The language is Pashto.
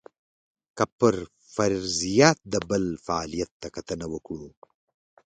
که پر فرضیه د بل فعالیت ته کتنه وکړو.